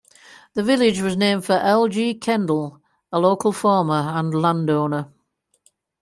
The village was named for L. G. Kendall, a local farmer and landowner.